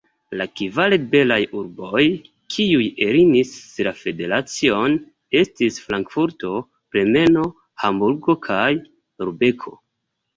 La kvar liberaj urboj, kiuj eniris la federacion, estis Frankfurto, Bremeno, Hamburgo kaj Lubeko.